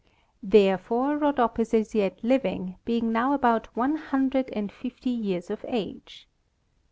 Therefore Rhodopis is yet living, being now about one hundred and fifty years of age.